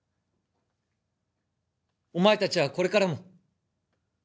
お前達はこれからも